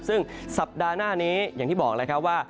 ซึ่งสัปดาห์หน้านี้อย่างที่บอกแล้วครับว่า